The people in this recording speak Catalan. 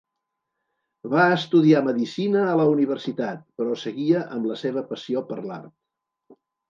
Va estudiar medicina a la universitat, però seguia amb la seva passió per l'art.